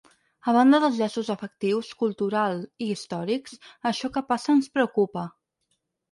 A banda dels llaços afectius, cultural i històrics, això que passa ens preocupa.